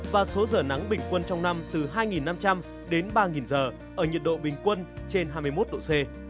và số giờ nắng bình quân trong năm từ hai năm trăm linh đến ba giờ ở nhiệt độ bình quân trên hai mươi một độ c